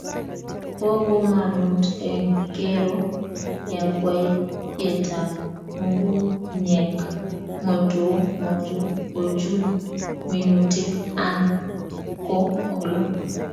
Bo komonut eng kero yakwaiyetab ngungunyek ngotkomochi kochun minutik anan ko olo